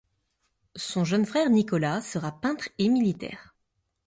Son jeune frère Nicolas sera peintre et militaire.